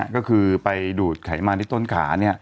ก็คือไปดูดไขมันที่ต้นขา